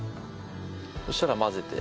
そしたら混ぜて。